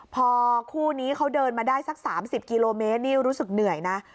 พอคู่นี้เขาเดินมาได้สัก๓๐กิโลเมตรนี่รู้สึกเหนื่อยนะ